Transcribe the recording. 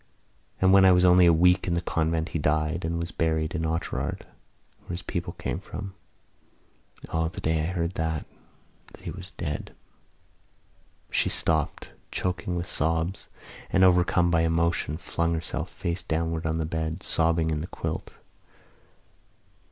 And when I was only a week in the convent he died and he was buried in Oughterard where his people came from. O, the day I heard that, that he was dead!" She stopped, choking with sobs and, overcome by emotion, flung herself face downward on the bed, sobbing in the quilt.